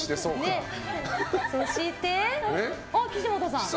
そして、岸本さん。